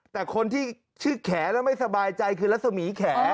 แต่คนที่ชื่อแขแล้วไม่สบายใจคือรัศมีแข